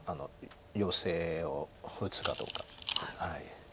ヨセを打つかどうか。